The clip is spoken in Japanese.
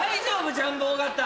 ジャンボ尾形。